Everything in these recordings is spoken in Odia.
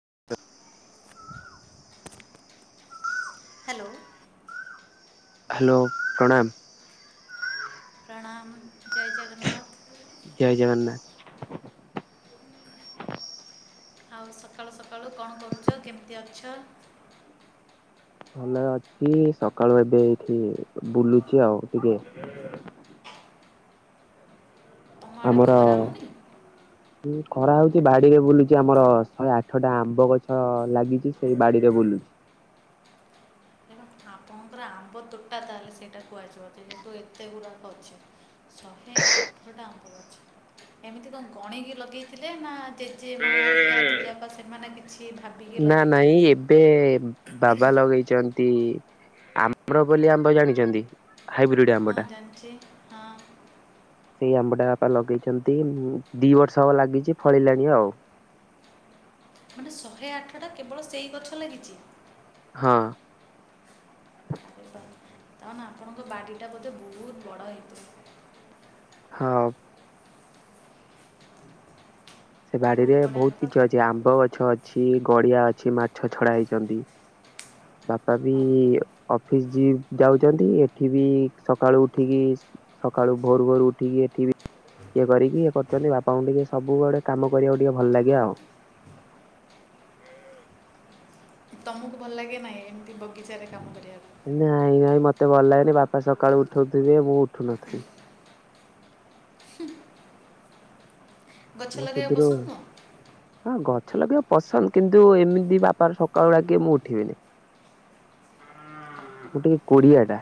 ହ [unintelligible] ହ୍ୟାଲୋ। ହ୍ୟାଲୋ ପ୍ରଣାମ। ପ୍ରଣାମ ଜୟ ଜଗନ୍ନାଥ। ଜୟ ଜଗନ୍ନାଥ। [inaudible] ଆଉ ସକାଳୁ ସକାଳୁ କଣ କରୁଛ, କେମିତି ଅଛ? ଭଲ ଅଛି ସକାଳୁ ଏବେ ଏଇଠି ବୁଲୁଚି ଆଉ ଟିକେ ତୁମ ଆଡ଼େ ଖରା ହଉନି? ହଁ ଖରା ହଉଛି ବାଡିରେ ବୁଲୁଛି ଆମର ଶହେ ଆଠଟା ଆମ୍ବ ଗଛ ଲାଗିଛି ସେଇ ବାଡିରେ ବୁଲୁଛି। [inaudible] ପୁରା ଆମ୍ବ ତୋଟା ତାହେଲେ ସେଇଟା କୁହାଯିବ ଯେ ଯେହେତୁ ଏତେ ଗୁଡାକ ଅଛି। ଶହେ ଆଠଟା ଆମ୍ବଗଛ ଏମିତି କଣ ଗଣିକି ଲଗେଇଥିଲେ ନା ଜେଜେ ମା ହେରୀକା ଜେଜେପା ସେମାନେ କିଛି ଭାବିକି ନା ନାଇଁ ଲଗେଇଛନ୍ତି ଏବେ ବାବା ଲଗେଇଛ ଆମ୍ବରପୋଲି ଆମ୍ବ ଜାଣିଛନ୍ତି? ହାଇବ୍ରିଡ ଆମ୍ବ ହଁ ଟା। ଜାଣିଛି ହଁ। ସେଇ ଆମ୍ବଟା ବାପା ଲଗେଇଛନ୍ତି ଦି ବର୍ଷ ହବ ଲାଗିଛି ଫଳିଲାଣି ଆଉ। ମାନେ ଶହେ ଆଠଟା କେବଳ ସେଇ ଗଛ ଲାଗିଛି? ହଁ। ତାହ ଆପଣଙ୍କ ବାଡ଼ିଟା ବୋଧେ ବହୁତ ବଡ଼ ହେଇଥିବ? ହଁ। ସେ ବାଡିରେ ବଢ଼ିଆ ବହୁତ କିଛି କଥା ଅଛି ଆମ୍ବ ଗଛ ଅଛି ଅଛି ଗଡି଼ଆ ଅଛି ମାଛ ଛଡ଼ା ହେଇଛନ୍ତି। ବାପା ବି ଆଉ କଣ? ଅଫିସ୍ ଯାଉଛନ୍ତି ଏଠିବି ସକାଳୁ ଉଠିକି ସକାଳୁ ଭୋର ଭୋର ଉଠିକି ଏଠିବି ଇଏ କରିକି ଇଏ କରୁଛନ୍ତି ବାପା ଙ୍କୁ ଟିକେ ସବୁଆଡେ କାମ କରିବାକୁ ଟିକେ ଭଲ ଲାଗେ ଆଉ। ତମକୁ ଭଲ ଲାଗେ ନାହିଁ ଏମିତି ବଗିଚାରେ କାମ କରିବାକୁ? ନାଇଁ ନାଇଁ ମତେ ଭଲ ଲାଗେନି ବାପା ସକାଳୁ ଉଠଉଥିବେ ମୁଁ ଉଠୁ ନଥିବି। ହୁଁ। ମୁଁ ଲଗାଇବା ସୁଧରୁ ପସନ୍ଦ ନୁହଁ ଗ ଗଛ ଲଗେଇବାକୁ ପସନ୍ଦ କିନ୍ତୁ ଏମିତି ବାପାର ସକାଳୁ ଡାକିବେ ମୁଁ ଉଠିବିନି। ମୁଁ ଟିକେ କୋଡି଼ଆ ଟା।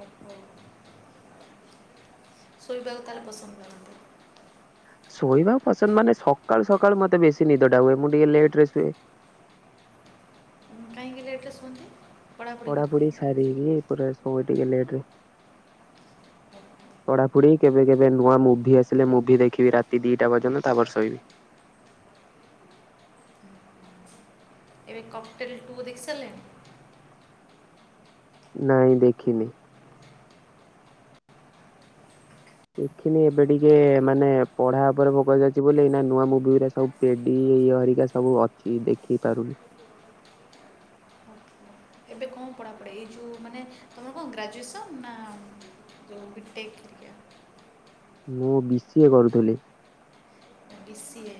ଓହୋ। ଶୋଇବାକୁ ତାହେଲେ ପସନ୍ଦ କରନ୍ତି? ଶୋଇବାକୁ ପସନ୍ଦ ମାନେ ସକାଳୁ ସକାଳୁ ମତେ ବେଶୀ ନିଦ ଟା ହୁଏ ମୁଁ ଟିକେ ଲେଟ୍ ରେ ଶୁଏ। [unintelligible] କେତେ ଲେଟ୍ ରେ ଶୁଅନ୍ତି? ପଢ଼ାପଢ଼ି ସାରିଲି ପୁରା ଶୁଏ ଟିକେ ଲେଟରେ। [unintelligible] ପଢ଼ାପଢ଼ି କେବେ କେବେ ନୂଆ ମୁଭି ଆସିଲେ ମୁଭି ଦେଖିବି ରାତି ଦିଟା ପର୍ଯ୍ୟନ୍ତ ତାପରେ ଶୋଇବି। [unintelligible] ଏବେ କକ୍ଟେଲ ଟୁ ଦେଖିସାରିଲେଣି? ନାଇଁ ଦେଖିନି। ଦେଖିନି ଏବେ ଟିକେ ମାନେ ପଢ଼ା ଉପରେ ଫୋକସ୍ ଅଛି ବୋଲି ନୂଆ ମୁଭିରେ ସବୁ ପେଡି [unintelligible] ହରିକା ସବୁ ଅଛି ଦେଖେଇ ପାରୁନି। [unintelligible] ଏବେ କଣ ପଢ଼ାପଢ଼ି ଏଇ ଯୋଉ ମାନେ ତମର କଣ ଗ୍ରାଜୁଏସନ ନା ଯୋଉ ବିଟେକ ହେରିକା। ମୁଁ ବି ସିଏ କରୁଥିଲି। ବି ସିଏ।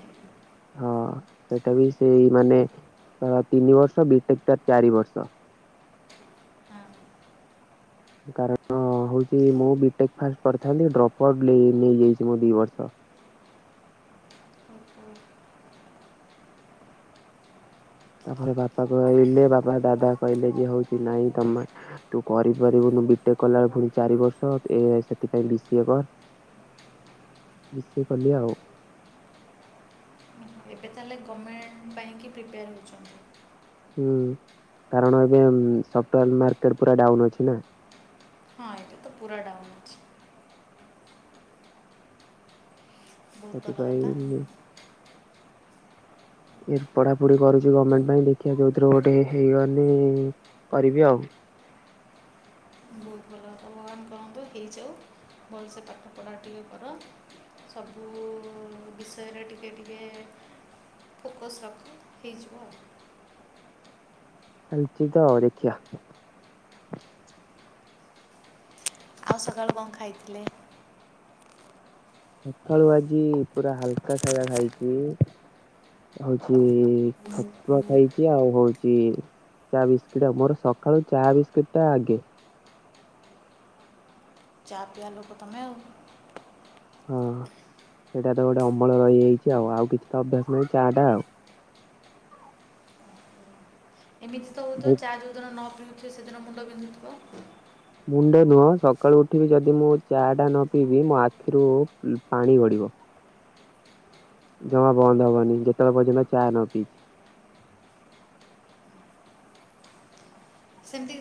ସେଇଟା ବି ସେଇ ମାନେ ତିନି ବର୍ଷ ବିଟେକ୍ ଟା ଚାରି ବର୍ଷ। ହଁ କାରଣ ହଉଛି ମୁଁ ବିଟେକ୍ ଫାଷ୍ଟ କରିଥାନ୍ତି ଡ୍ରପ୍ ଆଉଟ ନେଇ ନେଇଯାଇଛି ମୁଁ ଦି ବର୍ଷ। [inaudible] ତାପରେ ବାପା କହିଲେ ବାପା ଦାଦା କହିଲେ ଯେ ହଉଛି ନାଇଁ ତମେ ତୁ କରିପାରିବୁନି। ବିଟେକ୍ କଲାବେଳେ ପୁଣି ଚାରି ବର୍ଷ ଏ ସେଥିପାଇଁ ବିସିଏ କର। [inaudible] ବିସିଏ କଲି ଆଉ। ଏବେ ତାହେଲେ ଗମେଣ୍ଟ୍ ପାଇଁ କି ପ୍ରିପେୟାର ହେଉଛନ୍ତି। ହୁଁ, କାରଣ ଏବେ ସଫ୍ଟୱେର ମାର୍କେଟ ପୁରା ଡାଉନ୍ ଅଛି ନା। ହଁ ଏଇଟା ତ ପୁରା ଡାଉନ୍ ଅଛି। ବହୁତ ଭଲ କଥା ସେଥିପାଇଁ ଏ ପଢ଼ାପଢ଼ି କରୁଛି ଗମେଣ୍ଟ ପାଇଁ ଦେଖିବା ଯୋଉଥିରେ ଗୋଟେ ହେଇଗଲେ କରିବି ଆଉ। ବହୁତ ଭଲ [unintelligible] ହେଇଯାଉ ଭଲସେ ପାଠ ପଢ଼ା ଟିକେ କର। ସବୁ ବିଷୟରେ ଟିକେ ଟିକେ ଫୋକସ୍ ରଖ ହେଇଯିବ ଆଉ। ଚାଲିଛି ତ ଆଉ ଦେଖିଆ। ଆଉ ସକାଳୁ କଣ ଖାଇଥିଲେ? ସକାଳୁ ଆଜି ପୁରା ହାଲକା ଖାଇବା ଖାଇଛି। ହଉଛି ଛତୁଆ ଖାଇଛି ଆଉ ହଉଛି ଚା ବିସ୍କିଟ୍ ମୋର ସକାଳୁ ଚା ବିସ୍କିଟ ଟା ଆଗେ। ଚା ପିଆ ଲୋକ ତମେ ଆଉ। ହଁ ସେଇଟା ତ ଗୋଟେ ଅମଳ ରହିଯାଇଛି ଆଉ। ଆଉ କିଛି ତ ଅଭ୍ୟାସ ନାହିଁ ଚା ଟା ଆଉ। [inaudible] ଏମିତି ତ ହଉଥିବ ଚା ଯଉଦିନ ନ ପିଉଥିବ ସେଦିନ ମୁଣ୍ଡ ବିନ୍ଧୁଥିବ? ମୁଣ୍ଡ ନୁହଁ ସକାଳୁ ଉଠିବି ଯଦି ମୁଁ ଚା ଟା ନ ପିଇବି ମୋ ଆଖିରୁ ଉ ପାଣି ଗଡିବ। ଜମା ବନ୍ଦ ହବନି, ଯେତେବେଳେ ପର୍ଯ୍ୟନ୍ତ ଚା ନ ପିଇଚି।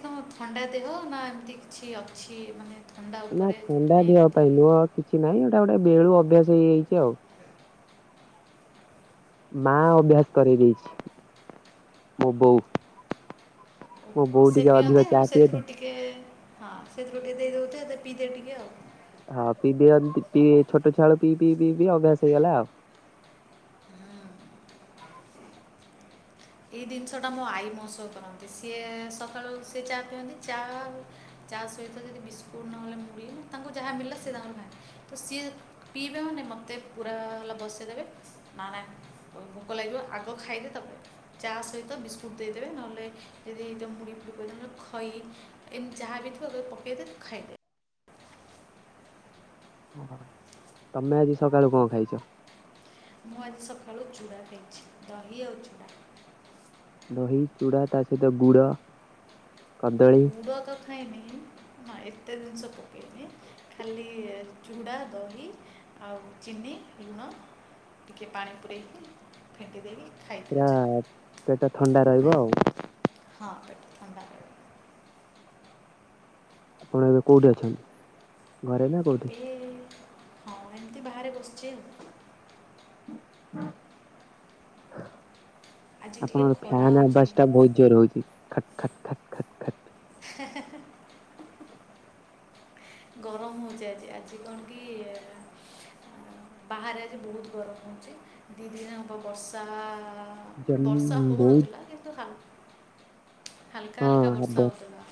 ହ ଥଣ୍ଡା ଦେହ ନା ଏମିତି କିଛି ଅଛି ମାନେ ଥଣ୍ଡା ନା ଉପରେ ଥଣ୍ଡା ଯୋଉଥିପାଇଁ ଦେହ ଏମିତି ପାଇଁ ନୁହ କିଛି ନାହିଁ ଏଇଟା ଗୋଟେ ବେଳୁ ଅଭ୍ୟାସ ହେଇଯାଇଚି ଆଉ। ମା ଅଭ୍ୟାସ କରେଇ ଦେଇଚି। ମୋ ବୋଉ। ମୋ ଓହୋ, ବୋଉ ସେ ଟିକେ ଅଧିକ ପିଅନ୍ତି ଚା ପିଏ ତ। ସେଥିରୁ ଟିକେ ହଁ ସେଥିରୁ ଟିକେ ଦେଇ ଦଉଥିବେ ପିଇଦେ ଟିକେ ଆଉ। ହଁ ପିଇ ଦିଅନ୍ତି ପିଇ ଛୋଟଛୁଆ ବେଳୁ ପିଇ ପିଇ ପିଇି ଅଭ୍ୟାସ ହେଇଗଲା ଆଉ। [inaudible] ଏଇ ଜିନିଷ ଟା ମୋ ଆଈ ମୋ ସହ କରନ୍ତି। ସିଏ ସକାଳୁ ସିଏ ଚା ପିଅନ୍ତି ଚା ତା ସହିତ ଯଦି ବିସ୍କୁଟ୍ ନହେଲେ ମୁଢ଼ି ତାଙ୍କୁ ଯାହା ମିଳିଲା ସିଏ ତାଙ୍କର ଖାନ୍ତି ତ ସିଏ ପିଇବେ ମାନେ ମୋତେ ପୁରା ହେଲା ବସେଇ ଦେବେ ନା ନା ଭୋକ ଲାଗିବ ଆଗ ଖାଇଦିଏ ତାପରେ ଚା ସହିତ ବିସ୍କୁଟ୍ ଦେଇଦେବେ ନହେଲେ ଯଦି ମୁଡ଼ି ଫୁଡ଼ି ଦେଲେ ଖଇ ଏମିତି ଯାହା ବି ପକେଇ ଦେ ତୁ ଖାଇଦେ। ତମେ ଆଜି ସକାଳୁ କଣ ଖାଇଚ? ମୁଁ ଆଜି ସକାଳୁ ଚୁଡ଼ା ଖାଇଚି। ଦହି ଆଉ ଚୁଡ଼ା। ଦହି, ଚୂଡ଼ା ତା ସହିତ ଗୁଡ। କଦଳୀ ଗୁଡ଼ ତ ଖାଇନି। ହଁ ଇ ଏତେ ଜିନିଷ ପକେଇନି। ଖାଲି ଚୁଡ଼ା, ଦହି ଆଉ ଚିନି ଲୁଣ। ଟିକେ ପାଣି ପୁରେଇକି ଫେଣ୍ଟି ଦେଇକି ଖାଇଦିଅ ପୁରା ଚା ପେଟ ଥଣ୍ଡା ରହିବ ଆଉ। ହଁ ପେଟ ଥଣ୍ଡା ରହିବ। ଆପଣ ଏବେ କୋଉଠି ଅଛନ୍ତି? ଘରେ ନା କୋଉଠି? ଏବେ ହଁ ଏମିତି ବାହାରେ ବସିଚି ଆଉ। [inaudible] ଆଜି ଟିକେ ଆପଣଙ୍କର ଖରା ଫ୍ୟାନ ହେଉଛି ଆବାଜ୍ ଟା ବହୁତ ଜୋରେ ହଉଚି ଖଟ ଖଟ ଖଟ ଖଟ ଖଟ। [inaudible] ଗରମ ହଉଚି ଆଜି ଆଜି କଣ କି ବାହାରେ ଆଜି ବହୁତ ଗରମ ହଉଚି ଦି ଦିନ ହେବ ବର୍ଷା ମାନେ ଜମି ବର୍ଷା ବହୁତ ହଉନଥିଲା କିନ୍ତୁ ହାଲ ହାଲକା ହଁ ହାଲକା ବର୍ଷା ହବ ହଉଥିଲା।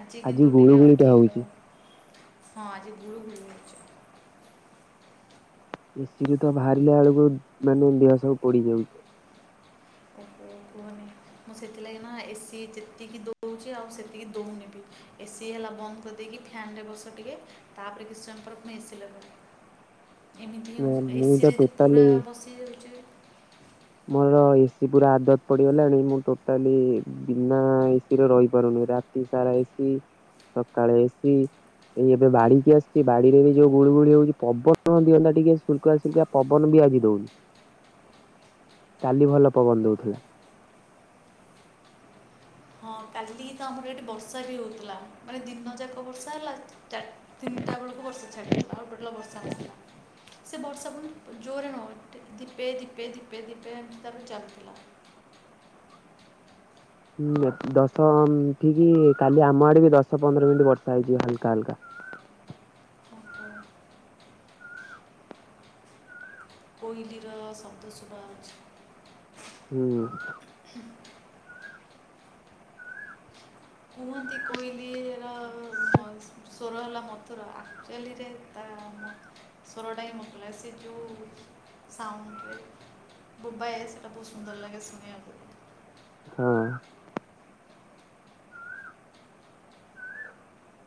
ଆଜି କିନ୍ତୁ ଟିକେ ଗୁଳୁ ଗୁଳିଟା ଅଧିକ ହଉଛି। ହଁ ଆଜି ଗୁଳୁଗୁଳି ହଉଚି। ଏସିରୁ ତ ବାହାରିଲା ବେଳକୁ ମାନେ ଦେହ ସବୁ ପଡି ଯାଉଚି। ଓହୋ କୁହନି ମୁଁ ସେଥିଲାଗି ନା ଏସି ଯେତିକି ଦଉ ସେତିକି ଦଉଚି ଆଉ ସେତିକି ଦଉନି ବିଲ ଏସି ହେଲା ବନ୍ଦ୍ କରିଦେଇକି ଫେନରେ ବସ ଟିକେ ତାପରେ କିଛି ସମୟ ପରେ ଥମେ ଏସି ଲଗ ଏମିତି ହଉଚି, ମୁଁ ଏସି ତ ରେ ପୁରା ଟୋଟାଲି ବସି ଯାଉଚି ମୋର ଏସି ପୁରା ଆଦତ ପଡିଗଲାଣି, ମୁଁ ଟୋଟାଲି ବିନା ଏସିରେ ରହି ପାରୁନି। ରାତି ସାରା ଏସି ସକାଳେ ଏସି ଏଇ ଏବେ ବାଡି କି ଆସିଚି, ବାଡିରେ ବି ଯୋଉ ଗୁଳଗୁଳି ହଉଚି, ପବନ ଦିଅନ୍ତା ଟିକେ ସୁଲକାସୁଲକା ପବନ ବି ଆଜି ଦଉନି। [inaudible] କାଲି ଭଲ ପବନ ଦଉଥିଲା। ହଁ କାଲି ତ ଆମର ଏଠି ବର୍ଷା ବି ହଉଥିଲା, ମାନେ ଦିନ ଯାକ ବର୍ଷା ହେଲା। ଚାରି ତିନିଟା ବେଳକୁ ବର୍ଷା ଛାଡିଗଲା ଆଉ ଟୋଟାଲି ବ ବର୍ଷା ହେଇନଥିଲା। ସେ ବର୍ଷା ପୁଣି ଜୋରରେ ହଉନି ଟିକ ଧୀପେ ଧୀପେ ଧୀପେ ଧୀପେ ଏଞ୍ଚ ପାଖରେ ଚାଲିଥିଲା। [inaudible] ହୁଁ ଦଶ ଏଠିକି କାଲି ଆମ ଆଡେ ବି ଦଶ ପନ୍ଦର ମିନିଟ ବର୍ଷା ହେଇଯିବା ହାଲକା ହାଲକା। [inaudible] କୋଇଲିର ଶବ୍ଦ ସୁଭାଉଛି। ହୁଁ। କୁହନ୍ତି, କୋଇଲିର ଅ ମ ସ୍ୱର ହେଲା ମଥୁର। ଆକ୍ଚୁଆଲିରେ ତା ସ୍ୱରଟା ହିଁ ମକଲା ସେ ଯଉ ସାଉଣ୍ଡରେ ବୋବାଏ ସେଇଟା ବହୁତ ସୁନ୍ଦର ଲାଗେ ଶୁଣିବାକୁ। ହଁ।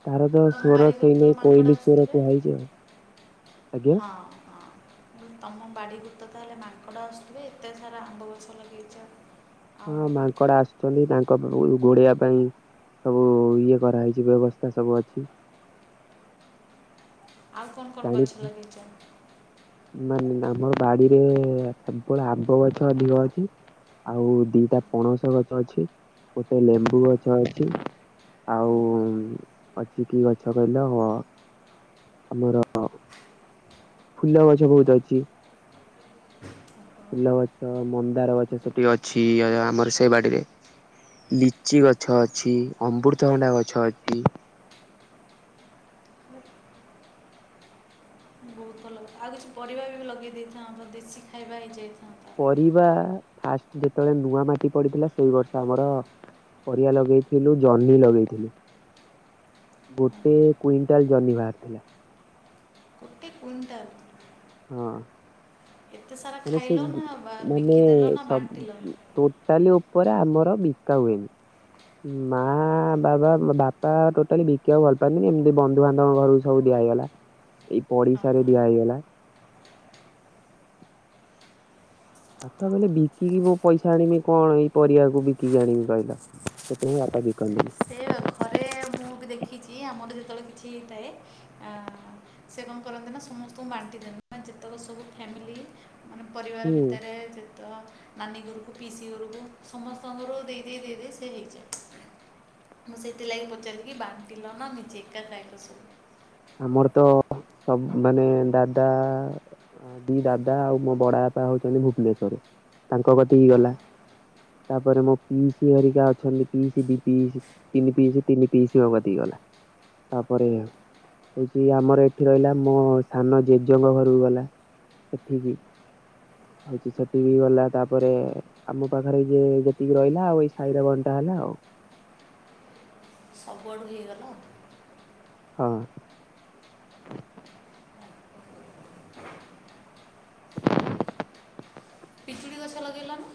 ତାର ତ ତମ ସ୍ଵର ବାରିକୁ ତ ସେଇନାଇ ମାଙ୍କଡ଼ କୋଇଲି ସ୍ବର ଆସୁଥିବେ କୁହାଇଛି ଆଉ। ଆଜ୍ଞା ହଁ, ହଁ। ତମ ବାଡ଼ିକୁ ତ ତାହେଲେ ମାଙ୍କଡ଼ ଆସୁଥିବେ? ଏତେ ସାରା ଆମ୍ବ ଗଛ ଲଗେଇଚ। ହଁ, ମାଙ୍କଡ ଆସୁଛନ୍ତି। ତାଙ୍କ ଗୋଡେଇବା ପାଇଁ ସବୁ ଇଏ କରାହେଇଛି, ବ୍ୟବସ୍ଥା ସବୁ ଅଛି। ଆଉ କଣ କଣ ଗଛ ଜାଣିଥିଲି ଲଗେଇଚ? ମାନେ ଆମ ବାଡିରେ-ଏ କେବଳ ଆମ୍ବ ଗଛ ଅଧିକ ଅଛି। ଆଉ ଦିଟା ପଣସ ଗଛ ଅଛି, ଗୋଟେ ହୁଁ, ଲେମ୍ବୁ ଗଛ ଅଛି। ଆଉ, ହୁଁ, ଅଛି କି ଗଛ କହିଲେ ହବ? ଆମର ଅ ଫୁଲ ଗଛ ବହୁତ ଅଛି। ବିଲ ଆମ୍ବ, ଗଛ, ମନ୍ଦାର ଗଛ, ସେଠି ଅଛି ଆମର ସେ ବାଡିରେ। ଲିଚି ଗଛ ଅଛି, ଅମୃତଭଣ୍ଡା ଗଛ ଅଛି, ବହୁତ ଭଲ ଆଉ କିଛି ପରିବା ବି ଲଗେଇ ଦେଇଥାଆନ୍ତ। ଦେଶୀ ଖାଇବା ହେଇଯାଇଥା ପରିବା-ଆ ଫାଷ୍ଟ ଯେତେବେଳେ ନୂଆ ମାଟି ପଡିଥିଲା। ସେଇ ବର୍ଷ ଆମର ପରିବା ଲଗେଇଥିଲୁ, ଜହ୍ନି ଲଗେଇଥିଲୁ। ଉଁ, ଗୋଟେ କୁଇଣ୍ଟାଲ ଜହ୍ନି ବାହାରି ଥିଲା। ଗୋଟେ କୁଇଣ୍ଟାଲ! ହଁ। ଏତେ ସାରା ମାନେ ଖାଇଲ ସେବ୍ ନା ବା- ମାନେ ବିକିଦେଲ ନା ସବ୍ ବାଣ୍ଟିଲ ହଁ, ଟୋଟାଲି ଉପରେ ଆମର ବିକା ହୁଏନି। ମା ବାବା ବାପା ଟୋଟାଲି ବିକିବାକୁ ଭଲ ପାଆନ୍ତିନି ଏମିତି ବନ୍ଧୁ ବାନ୍ଧବଙ୍କ ଘର ସବୁ ଦେ ଇଗଲା ଏଇ ପଡିଶାରେ ହଁ। ଦିଆ ହେଇଗଲା। [inaudible] ବାପା କହିଲେ ବିକିକି ମୁଁ ପଇସା ଆଣିବି କଣ ଏଇ ପରିବାକୁ ବିକିକି ଆଣିବି କହିଲ? ସେଥିପାଇଁ ବାପା ବିକନ୍ତିନି। ସେ ଘରେ ମୁଁ ବି ଦେଖିଚି ଆମର ଯେତେବେଳେ କିଛି ହେଇଥାଏ ଆ ସେ କଣ କରନ୍ତି ନା ନା ସମସ୍ତଙ୍କୁ ବାଣ୍ଟି ଦିଅନ୍ତି ମାନେ ଯେତେକ ସବୁ ଫ୍ୟାମିଲି ମାନେ ପରିବାର ହୁଁ ଭିତରେ ଯେତେ ତ ନାନୀ ଘୋରୁକୁ, ପିଇସି ଘୋରୁକୁ, ସମସ୍ତଙ୍କର ଦେଇ ଦେଇ ଦେଇ ଦେଇ ସେ ହେଇଯାଏ। ମୁଁ ସେଥିଲାଗି ପଚାରିଲି କି ବାଣ୍ଟିଲ ନା ନିଜେ ଏକା ଖାଇଲ ସବୁ? ଆମର ତ ସବ୍ ମାନେ ଦାଦା ଦି ଦାଦା ଆଉ ମୋ ବଡପା ହଉଛନ୍ତି ଭୁବନେଶ୍ଵରରେ ତାଙ୍କ କତିକି ହଁ ଗଲା। ତାପରେ ମୋ ପିସି ହରିକା ଅଛନ୍ତି ପିସି ଦି ପିସ୍ ତିନି ପିସି ତିନି ପିସି ଙ୍କ କତିକି ଗଲା। ତାପରେ ହଉଚି ଆମର ଏଠି ରହିଲା ମୋ ସାନ ଜେଜଙ୍କ ଘରକୁ ଗଲା, ସେଠିକି। ହଉଚି ସେଠି ବି ଗଲା ତାପରେ ଆମ ପାଖରେ ଯେ ଯେତିକି ରହିଲା, ଆଉ ଏଇ ସାହିରେ ବଣ୍ଟା ହେ ହେଲା ଆଉ। ସବୁଆଡୁ ହେଇଗଲା ଆଉ। ହଁ। ପିଜୁଳି ଗଛ ଲଗେଇଲା ନା